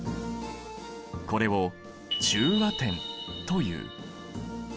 これを中和点という。